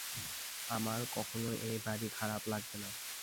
আমার কখনো এ বাড়ি খারাপ লাগবে না।